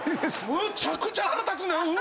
むちゃくちゃ腹立つねん！